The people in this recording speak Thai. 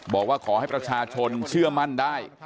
บอกว่าขอให้ประชาชนเชื่อมั่นได้